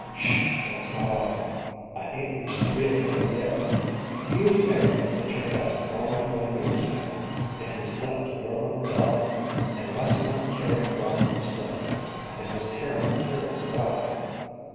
"'Sh! that's not all. I ain't reached the real trouble yet. He was married, it turned out, more 'n twenty years ago, and he 's left a grown up darter, and last night the carrier brought this letter, and was terrible curious about it."